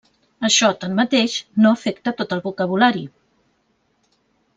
Això, tanmateix, no afecta tot el vocabulari.